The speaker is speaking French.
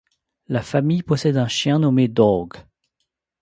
La famille possède un chien nommé Dawg.